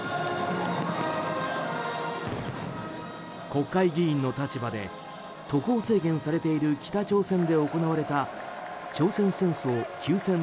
国会議員の立場で渡航制限されている北朝鮮で行われた朝鮮戦争休戦